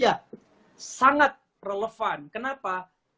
ya sangat relevan kenapa